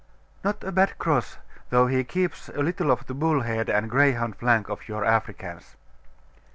'Not a bad cross; though he keeps a little of the bull head and greyhound flank of your Africans.